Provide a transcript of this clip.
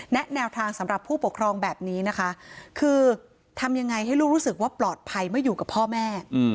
แนวทางสำหรับผู้ปกครองแบบนี้นะคะคือทำยังไงให้ลูกรู้สึกว่าปลอดภัยเมื่ออยู่กับพ่อแม่